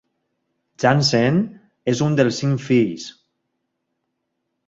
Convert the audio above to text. Jantzen és un dels cinc fills.